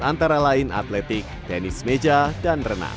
antara lain atletik tenis meja dan renang